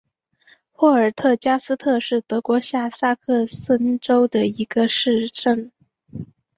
霍尔特加斯特是德国下萨克森州的一个市镇。